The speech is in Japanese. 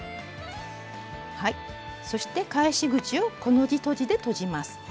そして返し口をコの字とじでとじます。